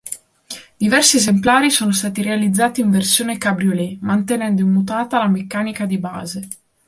Diversi esemplari sono stati realizzati in versione cabriolet, mantenendo immutata la meccanica di base.